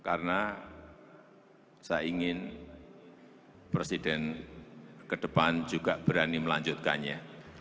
karena saya ingin presiden ke depan juga berani melanjutkannya